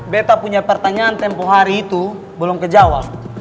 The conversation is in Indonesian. betta punya pertanyaan tempoh hari itu belum ke jawa